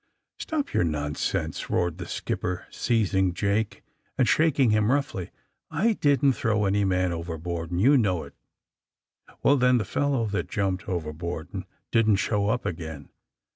^^Stop your nonsense!'' roared the skipper, seizing Jake, and shaking him roughly. *'I didn't throw any man overboard, and you know it!" ^^Well, then, the fellow that jumped over board and didn't show up again.